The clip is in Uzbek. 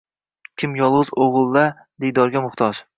Kim yolg’iz o’g’li-la diydorga muhtoj